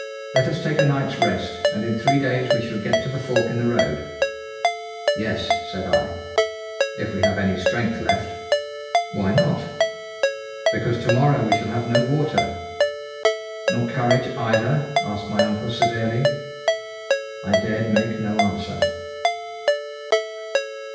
Let us take a night's rest, and in three days we shall get to the fork in the road." "Yes," said I, "if we have any strength left." "Why not?" "Because to morrow we shall have no water." "Nor courage either?" asked my uncle severely. I dared make no answer.